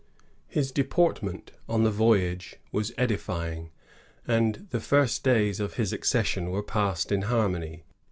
His deportment on the voyage was edifying, and the first days of his accession were passed in harmony.